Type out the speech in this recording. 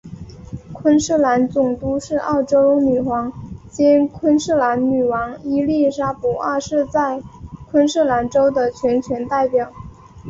昆士兰总督是澳洲女皇兼昆士兰女王伊利沙伯二世在昆士兰州的全权代表。